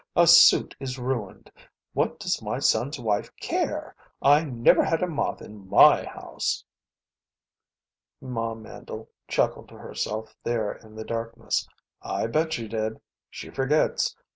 A suit is ruined. What does my son's wife care! I never had a moth in my house." Ma Mandle chuckled to herself there in the darkness. "I bet she did. She forgets.